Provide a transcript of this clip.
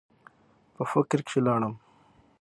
پۀ فکر کښې لاړم ـ